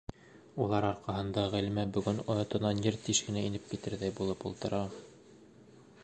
Улар арҡаһында Ғәлимә бөгөн оятынан ер тишегенә инеп китерҙәй булып ултыра...